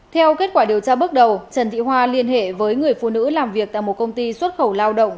theo kết quả điều tra bước đầu trần thị hoa liên hệ với người phụ nữ làm việc tại một công ty xuất khẩu lao động